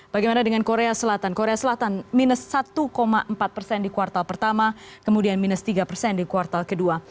bagaimana dengan korea selatan korea selatan minus satu empat persen di kuartal pertama kemudian minus tiga persen di kuartal kedua